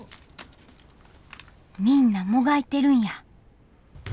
みんなもがいてるんや。